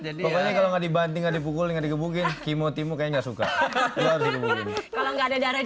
jadi kalau nggak dibanting dipukulnya digebukin kimo timo kayaknya suka kalau nggak ada darah